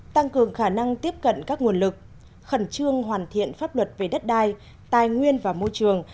tăng cường khả năng tiếp cận các nguồn lực khẩn trương hoàn thiện pháp luật về đất đai tài nguyên và môi trường